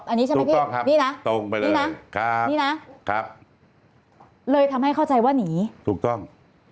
อันนี้ใช่ไหมพี่ตรงไปเลยเลยทำให้เข้าใจว่านี้ถูกต้อง